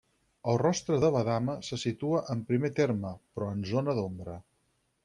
El rostre de la dama se situa en primer terme, però en zona d'ombra.